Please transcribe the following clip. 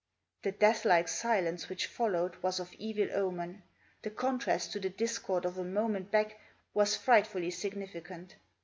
The death like silence which followed was of evil omen. The contrast to the discord of a moment back was frightfully significant.